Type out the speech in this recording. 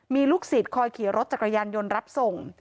มีลูกศิษย์คอยขี่รถจักรยานยนต์รับส่ง